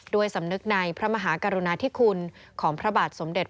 สำนึกในพระมหากรุณาธิคุณของพระบาทสมเด็จ